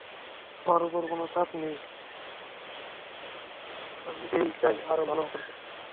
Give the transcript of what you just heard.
আমার ওপর কোনো চাপ নেই, কারণ আমি নিজেই চাই আরও ভালো করতে।